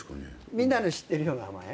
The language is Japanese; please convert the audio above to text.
みんなが知ってるような名前？